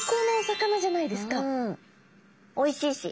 おいしいし。